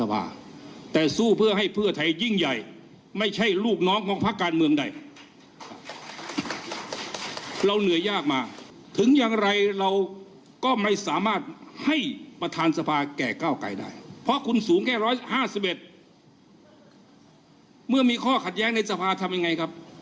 เมื่อมีข้อขัดแย้งในสภาทำยังไงครับ